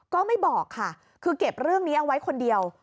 ก็ไม่บอกค่ะคือเก็บเรื่องนี้เอาไว้คนเดียว